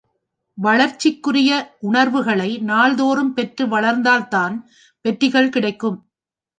வளர்ச்சிக்குரிய உணர்வுகளை நாள் தோறும் பெற்று வளர்ந்தால்தான் வெற்றிகள் கிடைக்கும்.